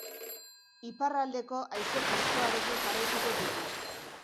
Iparraldeko haize freskoarekin jarraituko dugu.